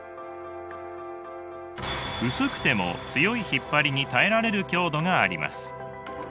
薄くても強い引っ張りに耐えられる強度があります。